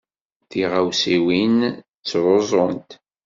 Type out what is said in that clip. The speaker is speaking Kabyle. Tiɣawsiwin ttruẓunt.